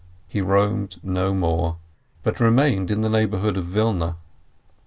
He roamed no more, but remained in the neighborhood of Wilna.